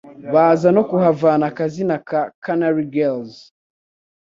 baza no kuhavana akazina ka Canary girls